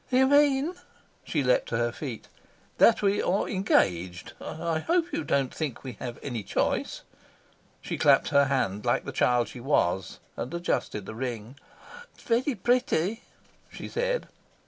"You mean ?" She leapt to her feet. "That we are engaged. I hope you don't think we have any choice?" She clapped her hands, like the child she was, and adjusted the ring. "It is very pretty," she said.